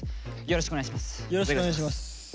よろしくお願いします。